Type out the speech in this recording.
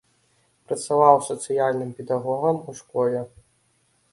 Працаваў сацыяльным педагогам у школе.